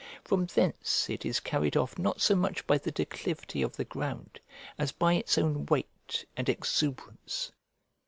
From thence it is carried off not so much by the declivity of the ground as by its own weight and exuberance.